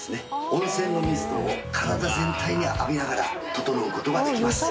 温泉のミストを体全体に浴びながらととのう事ができます。